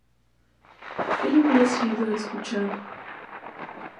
él hubiera sido escuchado